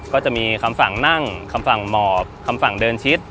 ก็จะมีคำศักดิ์นั่งคำศักดิ์หมอบคำศักดิ์เดินชิด